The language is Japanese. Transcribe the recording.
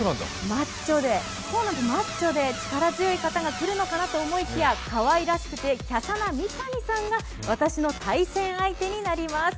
マッチョで力強い方が来るのかなと思いきやかわいらしくてきゃしゃな三上さんが私の対戦相手になります。